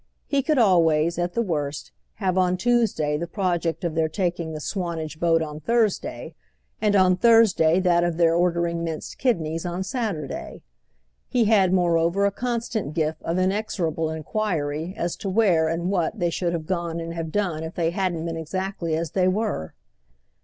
He could always, at the worst, have on Tuesday the project of their taking the Swanage boat on Thursday, and on Thursday that of their ordering minced kidneys on Saturday. He had moreover a constant gift of inexorable enquiry as to where and what they should have gone and have done if they hadn't been exactly as they were.